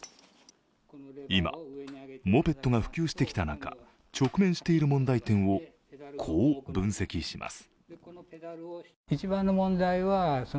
今、モペットが普及してきた中、直面している問題点をこう分析します。